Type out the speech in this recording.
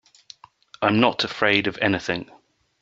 I'm not afraid of anything.